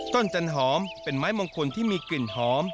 จันหอมเป็นไม้มงคลที่มีกลิ่นหอม